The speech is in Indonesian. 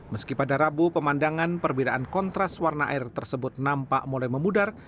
meski pada rabu pemandangan perbedaan kontras warna air tersebut nampak mulai memudar